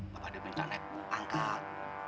mereka minta naik angkat